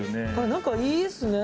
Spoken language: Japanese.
何かいいですね